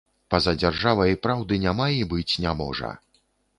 Па-за дзяржавай праўды няма і быць не можа.